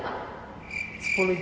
sepuluh juta itu berapa